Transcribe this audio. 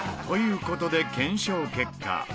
という事で検証結果。